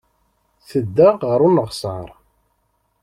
Tedda ɣer uneɣsar.